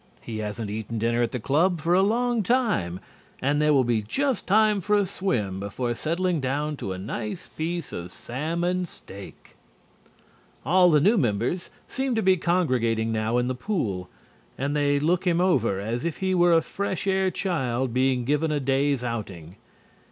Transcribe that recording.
He hasn't eaten dinner at the club for a long time and there will be just time for a swim before settling down to a nice piece of salmon steak. All the new members seem to be congregated now in the pool and they look him over as if he were a fresh air child being given a day's outing.